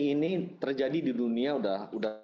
ini terjadi di dunia udah